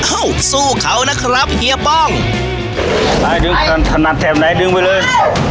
เอ้าสู้เขานะครับเฮียป้องทนัดแถมไหนดึงไปเลย